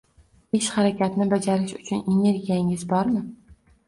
Ish-harakatni bajarish uchun energiyangiz bor.